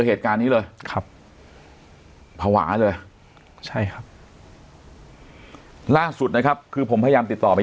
เหตุการณ์นี้เลยครับภาวะเลยใช่ครับล่าสุดนะครับคือผมพยายามติดต่อไป